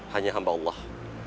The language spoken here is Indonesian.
hanya hamba allah